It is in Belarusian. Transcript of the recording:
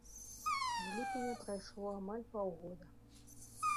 З ліпеня прайшло амаль паўгода.